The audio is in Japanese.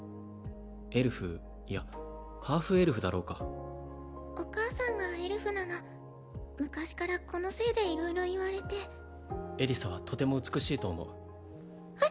エルフいやハーフエルフだろうかお母さんがエルフなの昔からこのせいで色々言われてエリサはとても美しいと思うえっ？